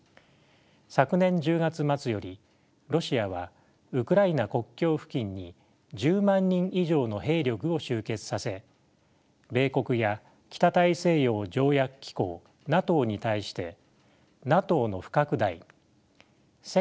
昨年１０月末よりロシアはウクライナ国境付近に１０万人以上の兵力を集結させ米国や北大西洋条約機構ＮＡＴＯに対してＮＡＴＯの不拡大